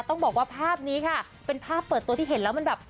ต้องบอกว่าภาพนี้ค่ะเป็นภาพเปิดตัวที่เห็นแล้วมันแบบ